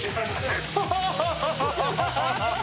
ハハハハハ！